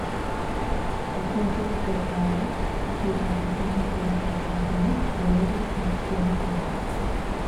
Approvals were granted to other pharmaceutical companies later in the same year.